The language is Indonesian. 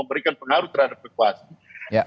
memberikan pengaruh terhadap kekuasaan